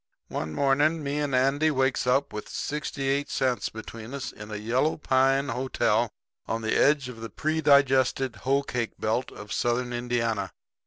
"One morning me and Andy wakes up with sixty eight cents between us in a yellow pine hotel on the edge of the pre digested hoe cake belt of Southern Indiana.